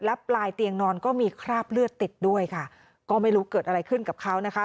และปลายเตียงนอนก็มีคราบเลือดติดด้วยค่ะก็ไม่รู้เกิดอะไรขึ้นกับเขานะคะ